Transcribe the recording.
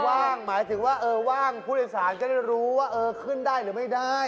ว่างหมายถึงว่าเออว่างผู้โดยสารก็ได้รู้ว่าเออขึ้นได้หรือไม่ได้